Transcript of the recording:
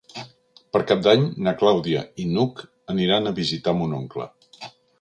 Per Cap d'Any na Clàudia i n'Hug aniran a visitar mon oncle.